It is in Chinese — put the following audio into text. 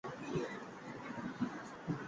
林登费尔斯是德国黑森州的一个市镇。